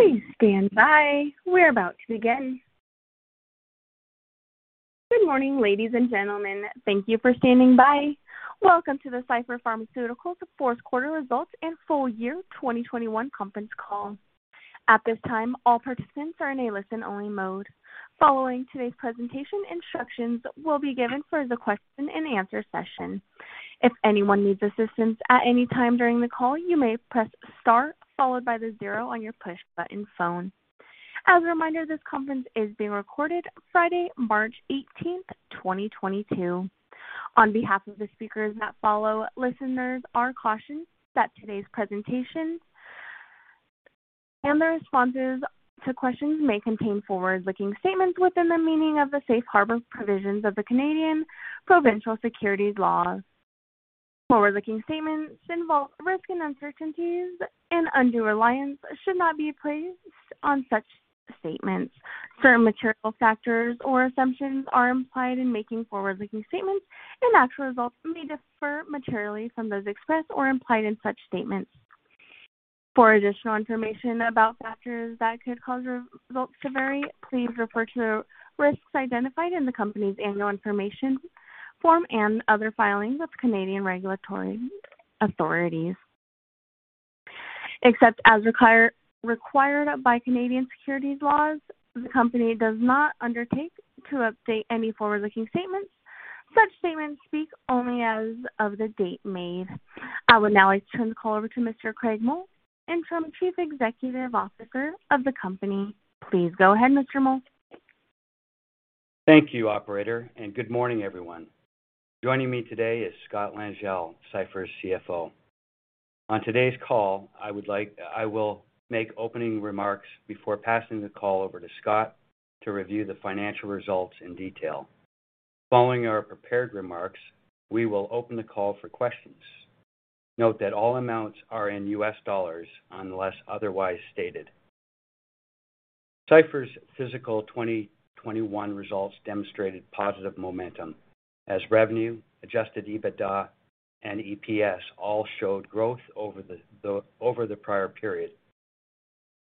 Please stand by. We're about to begin. Good morning, ladies and gentlemen. Thank you for standing by. Welcome to the Cipher Pharmaceuticals Q4 results and full year 2021 conference call. At this time, all participants are in a listen-only mode. Following today's presentation, instructions will be given for the question and answer session. If anyone needs assistance at any time during the call, you may press star followed by the zero on your push button phone. As a reminder, this conference is being recorded Friday, March 18th, 2022. On behalf of the speakers that follow, listeners are cautioned that today's presentation and the responses to questions may contain forward-looking statements within the meaning of the safe harbor provisions of the Canadian provincial securities laws. Forward-looking statements involve risks and uncertainties, and undue reliance should not be placed on such statements. Certain material factors or assumptions are implied in making forward-looking statements, and actual results may differ materially from those expressed or implied in such statements. For additional information about factors that could cause results to vary, please refer to risks identified in the company's annual information form and other filings with Canadian regulatory authorities. Except as required by Canadian securities laws, the company does not undertake to update any forward-looking statements. Such statements speak only as of the date made. I would now like to turn the call over to Mr. Craig Mull, Interim Chief Executive Officer of the company. Please go ahead, Mr. Mull. Thank you, operator, and good morning, everyone. Joining me today is Scott Langille, Cipher's CFO. On today's call, I will make opening remarks before passing the call over to Scott to review the financial results in detail. Following our prepared remarks, we will open the call for questions. Note that all amounts are in US dollars unless otherwise stated. Cipher's fiscal 2021 results demonstrated positive momentum as revenue, adjusted EBITDA and EPS all showed growth over the prior period.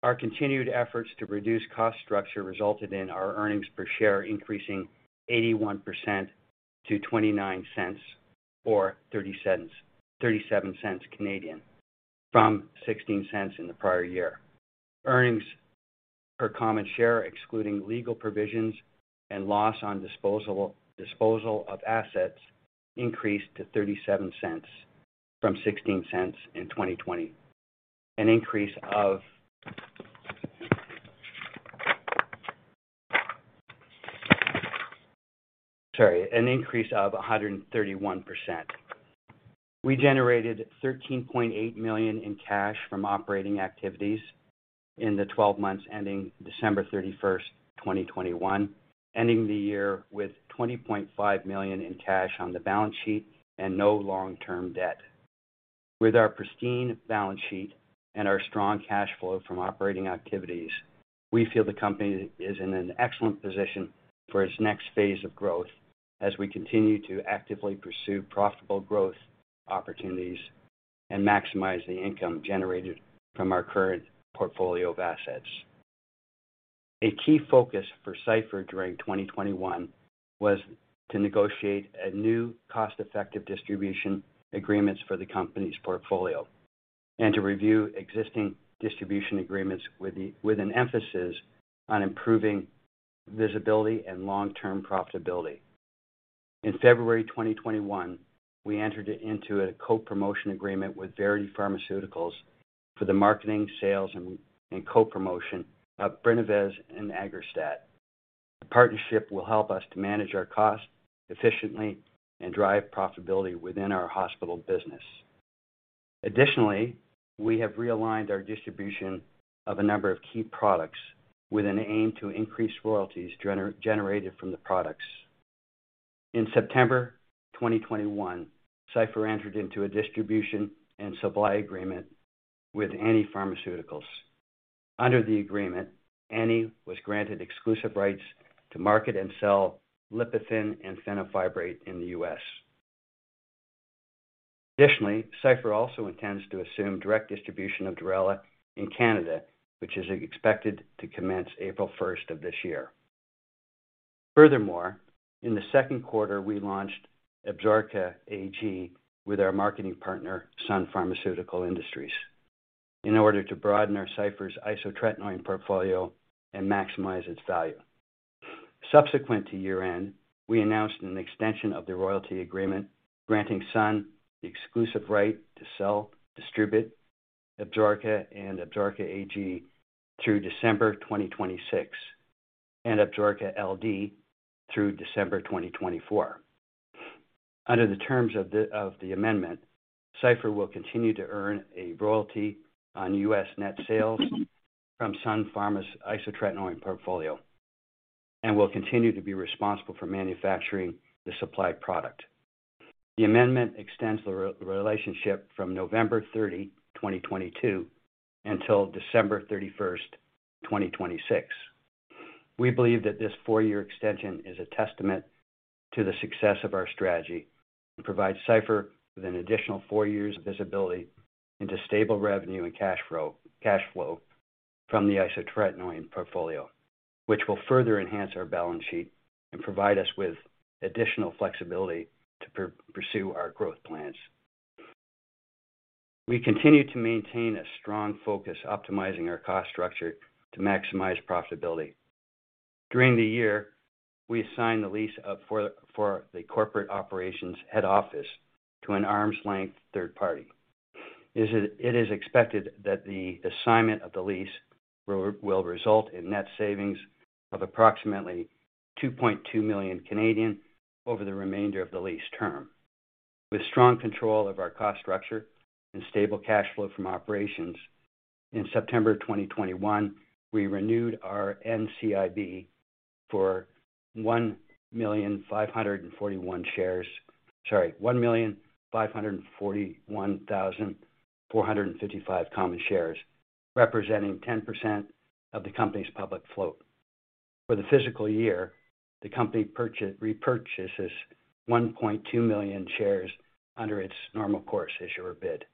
Our continued efforts to reduce cost structure resulted in our earnings per share increasing 81% to $0.29 or 0.37 from $0.16 in the prior year. Earnings per common share, excluding legal provisions and loss on disposal of assets increased to $0.37 from $0.16 in 2020, an increase of... Sorry, an increase of 131%. We generated $13.8 million in cash from operating activities in the twelve months ending December 31, 2021, ending the year with $20.5 million in cash on the balance sheet and no long-term debt. With our pristine balance sheet and our strong cash flow from operating activities, we feel the company is in an excellent position for its next phase of growth as we continue to actively pursue profitable growth opportunities and maximize the income generated from our current portfolio of assets. A key focus for Cipher during 2021 was to negotiate a new cost-effective distribution agreements for the company's portfolio and to review existing distribution agreements with an emphasis on improving visibility and long-term profitability. In February 2021, we entered into a co-promotion agreement with Verity Pharmaceuticals for the marketing, sales and co-promotion of Brinavess and Aggrastat. The partnership will help us to manage our cost efficiently and drive profitability within our hospital business. We have realigned our distribution of a number of key products with an aim to increase royalties generated from the products. In September 2021, Cipher entered into a distribution and supply agreement with ANI Pharmaceuticals. Under the agreement, ANI was granted exclusive rights to market and sell Lipofen and fenofibrate in the U.S. Additionally, Cipher also intends to assume direct distribution of Durela in Canada, which is expected to commence April 1 of this year. Furthermore, in the second quarter, we launched Absorica AG with our marketing partner, Sun Pharmaceutical Industries, in order to broaden Cipher's isotretinoin portfolio and maximize its value. Subsequent to year-end, we announced an extension of the royalty agreement granting Sun Pharma the exclusive right to sell, distribute Absorica and Absorica AG through December 2026, and Absorica LD through December 2024. Under the terms of the amendment, Cipher will continue to earn a royalty on U.S. net sales from Sun Pharma's isotretinoin portfolio and will continue to be responsible for manufacturing the supplied product. The amendment extends the relationship from November 30, 2022 until December 31, 2026. We believe that this four-year extension is a testament to the success of our strategy and provides Cipher with an additional four years of visibility into stable revenue and cash flow from the isotretinoin portfolio, which will further enhance our balance sheet and provide us with additional flexibility to pursue our growth plans. We continue to maintain a strong focus optimizing our cost structure to maximize profitability. During the year, we assigned the lease up for the corporate operations head office to an arm's-length third party. It is expected that the assignment of the lease will result in net savings of approximately 2.2 million over the remainder of the lease term. With strong control of our cost structure and stable cash flow from operations, in September 2021, we renewed our NCIB for 1,541,455 common shares, representing 10% of the company's public float. For the fiscal year, the company repurchases 1.2 million shares under its normal course issuer bid.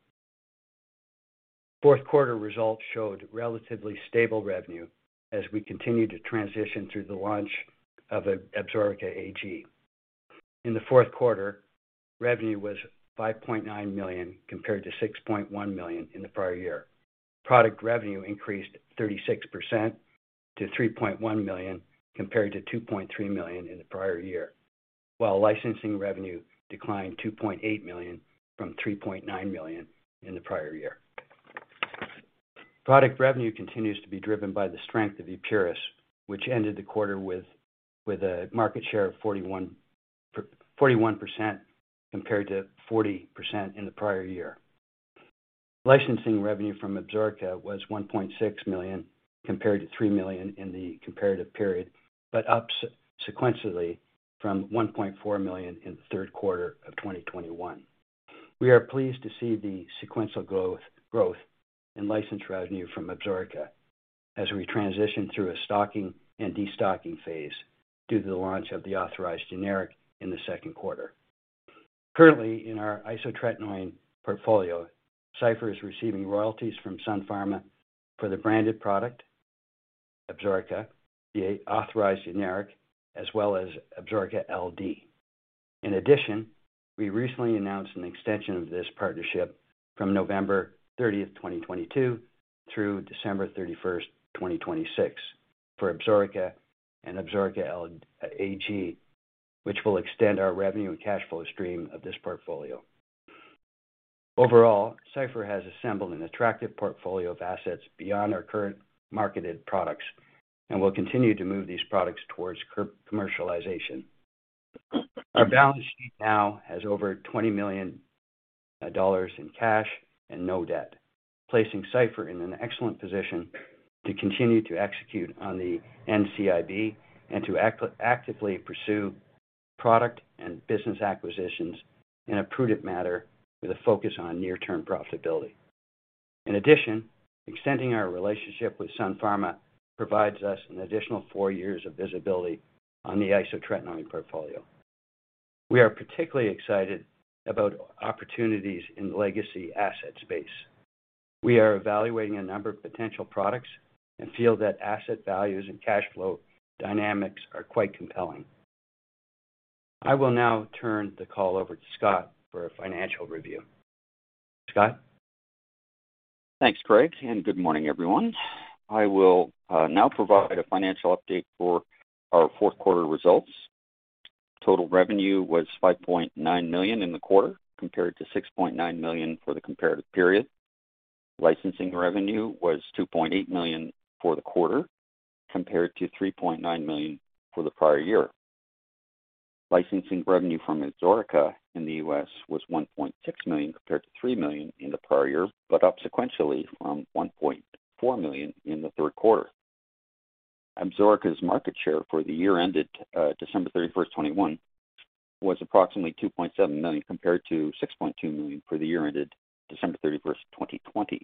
Fourth quarter results showed relatively stable revenue as we continued to transition through the launch of Absorica AG. In the Q4, revenue was $5.9 million compared to $6.1 million in the prior year. Product revenue increased 36% to $3.1 million compared to $2.3 million in the prior year, while licensing revenue declined $2.8 million from $3.9 million in the prior year. Product revenue continues to be driven by the strength of Epuris, which ended the quarter with a market share of 41% compared to 40% in the prior year. Licensing revenue from Absorica was $1.6 million compared to $3 million in the comparative period, but up sequentially from $1.4 million in the third quarter of 2021. We are pleased to see the sequential growth in license revenue from Absorica as we transition through a stocking and destocking phase due to the launch of the authorized generic in the second quarter. Currently, in our isotretinoin portfolio, Cipher is receiving royalties from Sun Pharma for the branded product, Absorica, the authorized generic, as well as Absorica LD. In addition, we recently announced an extension of this partnership from November thirtieth, twenty twenty-two through December thirty-first, twenty twenty-six for Absorica and Absorica LD, AG, which will extend our revenue and cash flow stream of this portfolio. Overall, Cipher has assembled an attractive portfolio of assets beyond our current marketed products and will continue to move these products towards commercialization. Our balance sheet now has over $20 million in cash and no debt, placing Cipher in an excellent position to continue to execute on the NCIB and to actively pursue product and business acquisitions in a prudent manner with a focus on near-term profitability. In addition, extending our relationship with Sun Pharma provides us an additional four years of visibility on the isotretinoin portfolio. We are particularly excited about opportunities in the legacy asset space. We are evaluating a number of potential products and feel that asset values and cash flow dynamics are quite compelling. I will now turn the call over to Scott for a financial review. Scott? Thanks, Craig, and good morning, everyone. I will now provide a financial update for our fourth quarter results. Total revenue was $5.9 million in the quarter, compared to $6.9 million for the comparative period. Licensing revenue was $2.8 million for the quarter, compared to $3.9 million for the prior year. Licensing revenue from Absorica in the U.S. was $1.6 million compared to $3 million in the prior year, but up sequentially from $1.4 million in the Q3. Absorica's market share for the year ended December 31, 2021 was approximately $2.7 million compared to $6.2 million for the year ended December 31, 2020.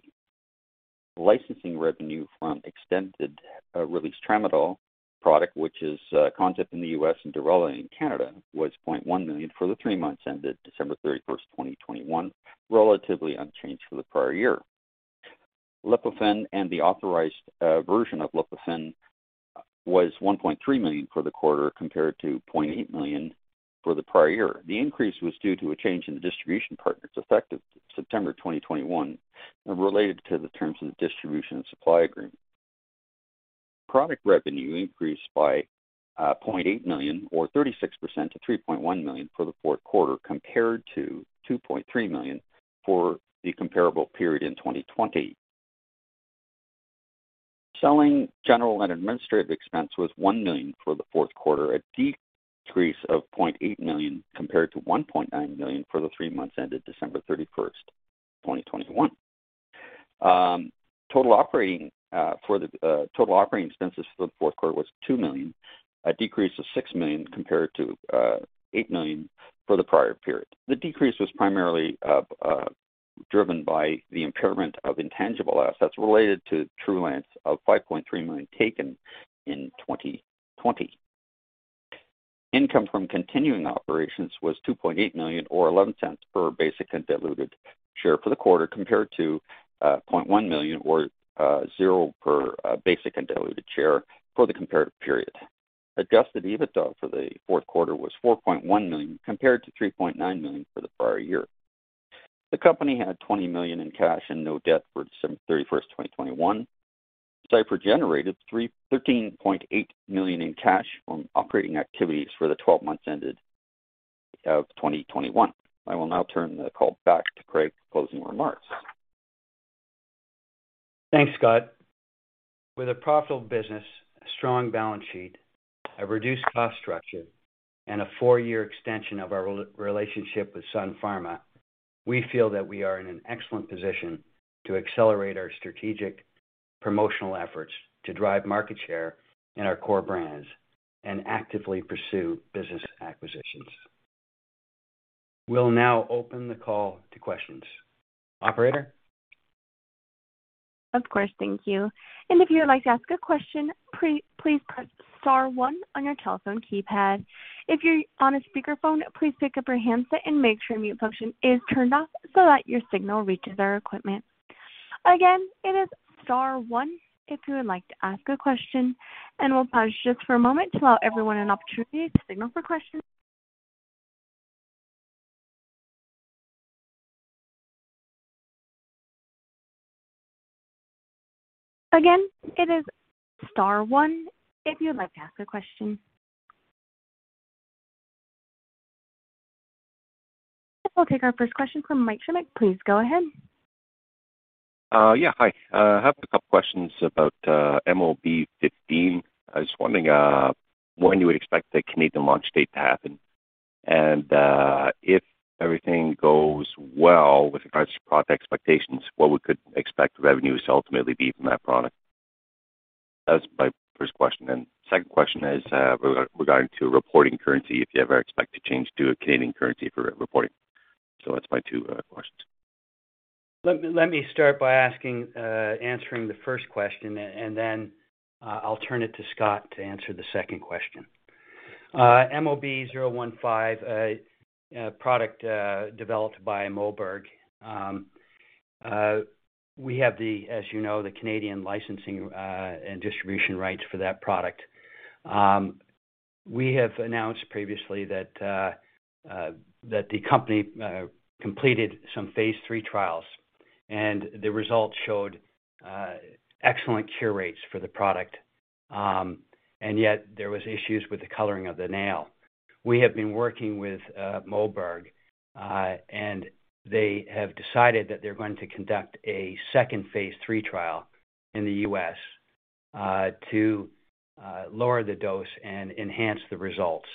Licensing revenue from extended release tramadol product, which is ConZip in the U.S. and Durela in Canada, was $0.1 million for the three months ended December 31, 2021, relatively unchanged for the prior year. Lipofen and the authorized version of Lipofen was $1.3 million for the quarter, compared to $0.8 million for the prior year. The increase was due to a change in the distribution partners effective September 2021 and related to the terms of the distribution and supply agreement. Product revenue increased by $0.8 million or 36% to $3.1 million for the fourth quarter, compared to $2.3 million for the comparable period in 2020. Selling, general, and administrative expense was $1 million for the fourth quarter, a decrease of $0.8 million compared to $1.9 million for the three months ended December 31, 2021. Total operating expenses for the fourth quarter was $2 million, a decrease of $6 million compared to $8 million for the prior period. The decrease was primarily driven by the impairment of intangible assets related to Trulance of $5.3 million taken in 2020. Income from continuing operations was $2.8 million or $0.11 per basic and diluted share for the quarter, compared to $0.1 million or $0.00 per basic and diluted share for the comparative period. Adjusted EBITDA for the fourth quarter was $4.1 million, compared to $3.9 million for the prior year. The company had 20 million in cash and no debt for September 31, 2021. Cipher generated 13.8 million in cash from operating activities for the 12 months ended 2021. I will now turn the call back to Craig for closing remarks. Thanks, Scott. With a profitable business, a strong balance sheet, a reduced cost structure, and a four-year extension of our relationship with Sun Pharma, we feel that we are in an excellent position to accelerate our strategic promotional efforts to drive market share in our core brands and actively pursue business acquisitions. We'll now open the call to questions. Operator? Of course. Thank you. If you would like to ask a question, please press star one on your telephone keypad. If you're on a speakerphone, please pick up your handset and make sure mute function is turned off so that your signal reaches our equipment. Again, it is star one if you would like to ask a question, and we'll pause just for a moment to allow everyone an opportunity to signal for questions. Again, it is star one if you would like to ask a question. We'll take our first question from Mike Shymic. Please go ahead. Yeah, hi. I have a couple questions about MOB-015. I was wondering when you expect the Canadian launch date to happen. If everything goes well with regards to product expectations, what we could expect revenues to ultimately be from that product? That's my first question, and second question is regarding reporting currency, if you ever expect to change to a Canadian currency for reporting. That's my two questions. Let me start by answering the first question and then I'll turn it to Scott to answer the second question. MOB-015, a product developed by Moberg. We have, as you know, the Canadian licensing and distribution rights for that product. We have announced previously that the company completed some phase III trials, and the results showed excellent cure rates for the product, and yet there was issues with the coloring of the nail. We have been working with Moberg and they have decided that they're going to conduct a second phase III trial in the U.S. to lower the dose and enhance the results.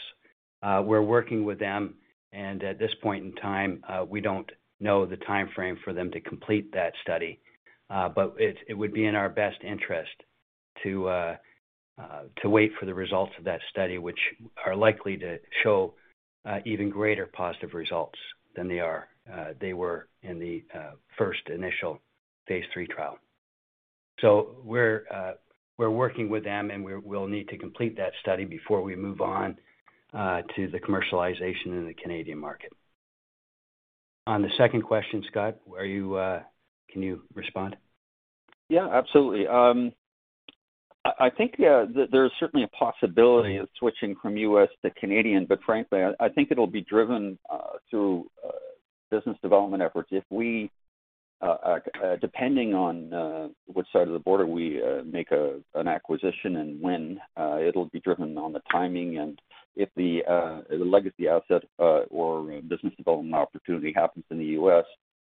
We're working with them, and at this point in time, we don't know the timeframe for them to complete that study. It would be in our best interest to wait for the results of that study, which are likely to show even greater positive results than they were in the first initial phase III trial. We're working with them, and we'll need to complete that study before we move on to the commercialization in the Canadian market. On the second question, Scott, can you respond? Yeah, absolutely. I think there's certainly a possibility of switching from U.S. to Canadian, but frankly, I think it'll be driven through business development efforts. If we, depending on which side of the border we make an acquisition and when, it'll be driven on the timing and if the legacy asset or business development opportunity happens in the U.S.,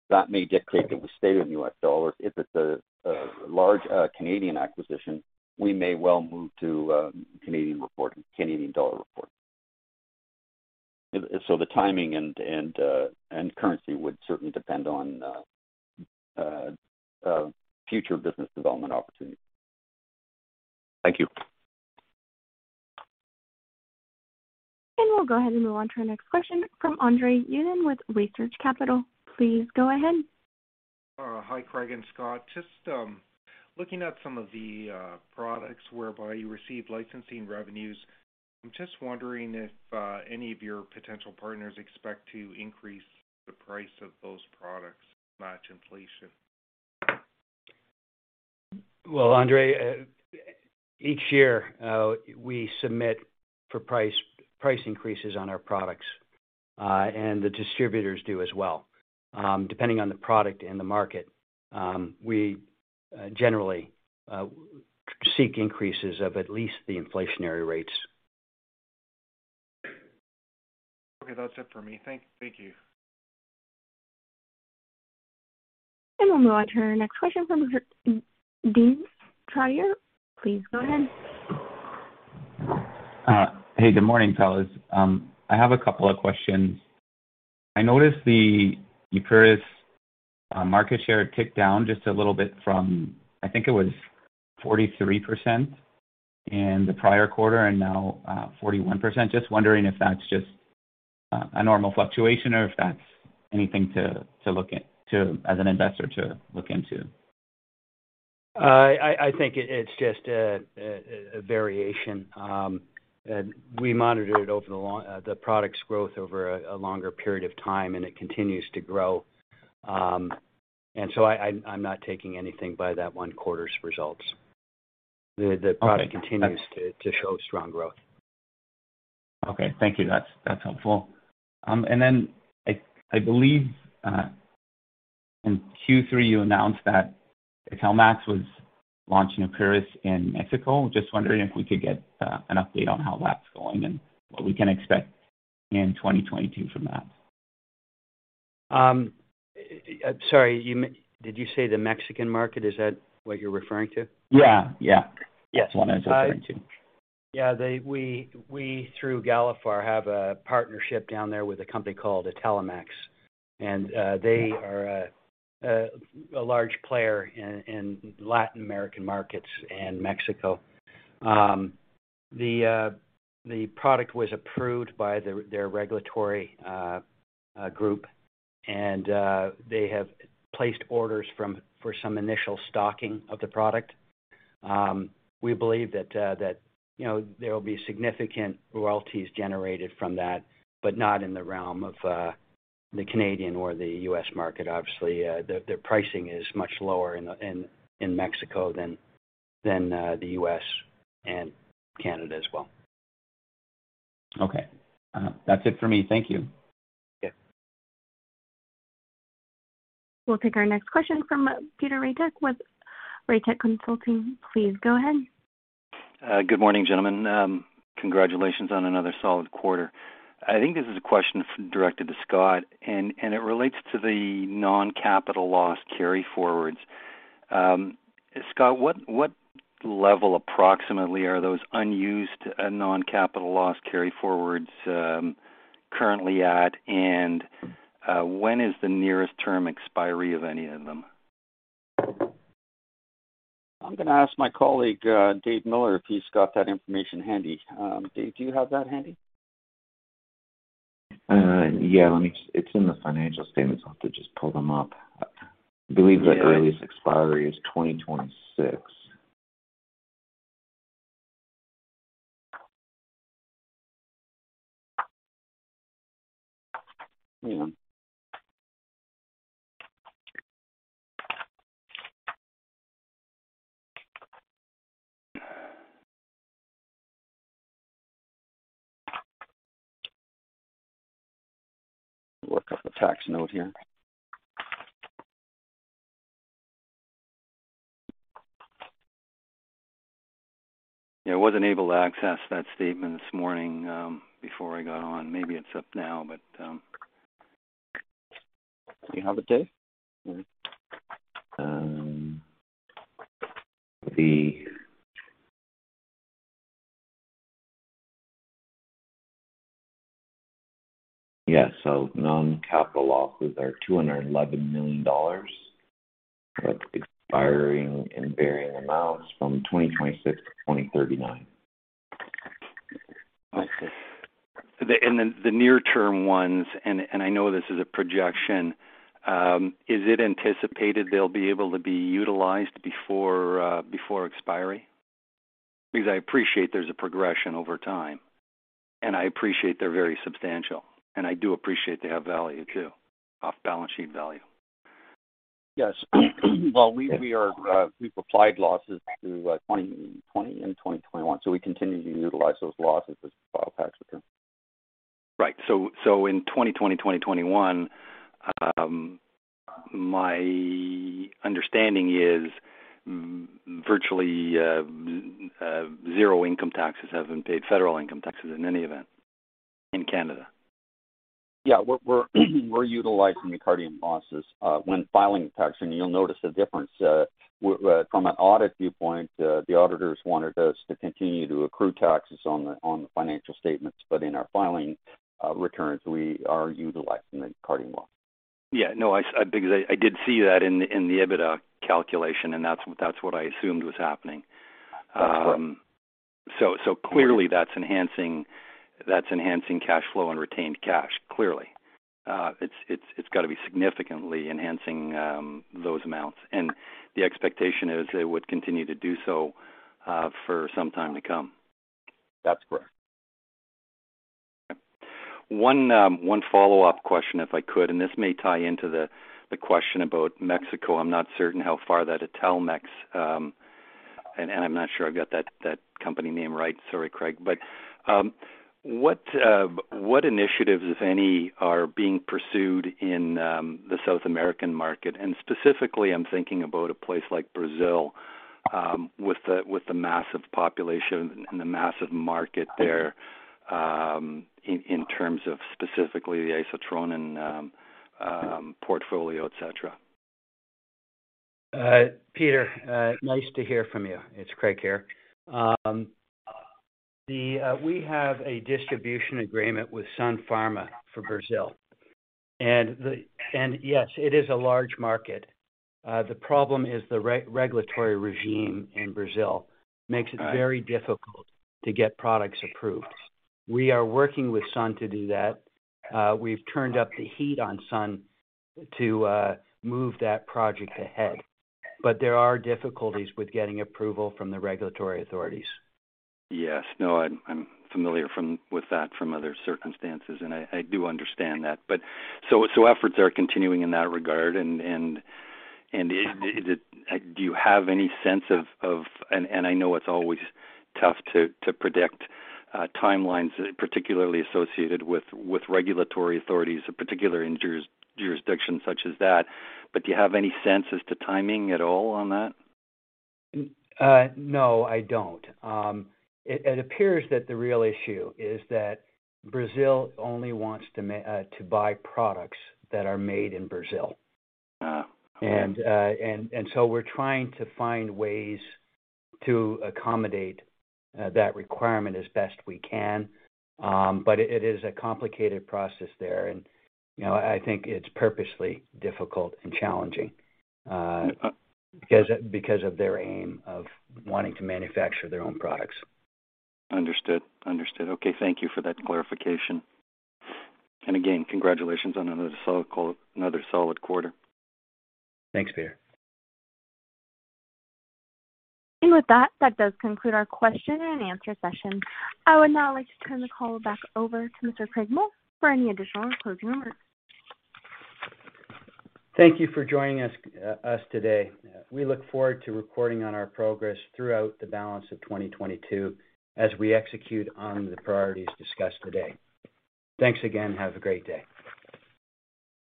that may dictate that we stay in US dollars. If it's a large Canadian acquisition, we may well move to Canadian reporting, Canadian dollar reporting. The timing and currency would certainly depend on future business development opportunities. Thank you. We'll go ahead and move on to our next question from Andre Uddin with Research Capital. Please go ahead. Hi, Craig Mull and Scott Langille. Just looking at some of the products whereby you receive licensing revenues, I'm just wondering if any of your potential partners expect to increase the price of those products to match inflation? Well, Andre, each year we submit for price increases on our products, and the distributors do as well. Depending on the product and the market, we generally seek increases of at least the inflationary rates. Okay. That's it for me. Thank you. We'll move on to our next question from Dean Trier. Please go ahead. Hey, good morning, fellas. I have a couple of questions. I noticed the Epuris market share ticked down just a little bit from, I think it was 43% in the prior quarter and now 41%. Just wondering if that's just a normal fluctuation or if that's anything to look at as an investor to look into. I think it's just a variation, and we monitor the product's growth over a longer period of time, and it continues to grow. I'm not taking anything by that one quarter's results. The product Okay. continues to show strong growth. Okay. Thank you. That's helpful. I believe in Q3, you announced that Italmex Pharma Was launching Epuris in Mexico. Just wondering if we could get an update on how that's going and what we can expect in 2022 from that? Sorry, did you say the Mexican market? Is that what you're referring to? Yeah, yeah. Yes. That's what I was referring to. Yeah. We through Galephar have a partnership down there with a company called Italmex Pharma. They are a large player in Latin American markets and Mexico. The product was approved by their regulatory group, and they have placed orders for some initial stocking of the product. We believe that you know there will be significant royalties generated from that, but not in the realm of the Canadian or the U.S. market. Obviously, their pricing is much lower in Mexico than the U.S. and Canada as well. Okay. That's it for me. Thank you. Yeah. We'll take our next question from Peter Ratek with Ratek Consulting. Please go ahead. Good morning, gentlemen. Congratulations on another solid quarter. I think this is a question directed to Scott, and it relates to the non-capital loss carryforwards. Scott, what level approximately are those unused non-capital loss carryforwards currently at? And when is the nearest term expiry of any of them? I'm gonna ask my colleague, Dave Miller, if he's got that information handy. Dave, do you have that handy? It's in the financial statements. I'll have to just pull them up. I believe the earliest expiry is 2026. Hang on. Work up a tax note here. Yeah. I wasn't able to access that statement this morning, before I got on. Maybe it's up now, but. Do you have it, Dave? Non-capital losses are $211 million, but expiring in varying amounts from 2026 to 2039. Okay. The near term ones, and I know this is a projection, is it anticipated they'll be able to be utilized before expiry? Because I appreciate there's a progression over time, and I appreciate they're very substantial, and I do appreciate they have value too, off-balance sheet value. Yes. Well, we've applied losses through 2020 and 2021, so we continue to utilize those losses as we file tax returns. Right. In 2020, 2021, my understanding is virtually zero income taxes have been paid, federal income taxes in any event in Canada. Yeah. We're utilizing the Cardiome Pharma losses when filing taxes, and you'll notice a difference. From an audit viewpoint, the auditors wanted us to continue to accrue taxes on the financial statements, but in our filing returns, we are utilizing the Cardiome Pharma loss. Yeah. No. I did see that in the EBITDA calculation, and that's what I assumed was happening. So clearly that's enhancing cash flow and retained cash, clearly. It's got to be significantly enhancing those amounts. The expectation is it would continue to do so for some time to come. That's correct. One follow-up question, if I could, and this may tie into the question about Mexico. I'm not certain how far that Italmex Pharma and I'm not sure I've got that company name right. Sorry, Craig. What initiatives, if any, are being pursued in the South American market? Specifically, I'm thinking about a place like Brazil, with the massive population and the massive market there, in terms of specifically the Isotronin portfolio, et cetera. Peter, nice to hear from you. It's Craig here. We have a distribution agreement with Sun Pharma for Brazil. Yes, it is a large market. The problem is the regulatory regime in Brazil makes it very difficult to get products approved. We are working with Sun to do that. We've turned up the heat on Sun to move that project ahead, but there are difficulties with getting approval from the regulatory authorities. Yes. No, I'm familiar with that from other circumstances, and I do understand that. Efforts are continuing in that regard. I know it's always tough to predict timelines, particularly associated with regulatory authorities, particularly in jurisdictions such as that. Do you have any sense as to timing at all on that? No, I don't. It appears that the real issue is that Brazil only wants to buy products that are made in Brazil. All right. We're trying to find ways to accommodate that requirement as best we can. But it is a complicated process there and, you know, I think it's purposely difficult and challenging because of their aim of wanting to manufacture their own products. Understood. Okay, thank you for that clarification. Again, congratulations on another solid quarter. Thanks, Peter. With that does conclude our question and answer session. I would now like to turn the call back over to Mr. Mull for any additional closing remarks. Thank you for joining us today. We look forward to reporting on our progress throughout the balance of 2022 as we execute on the priorities discussed today. Thanks again. Have a great day.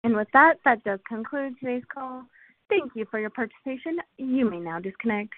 With that does conclude today's call. Thank you for your participation. You may now disconnect.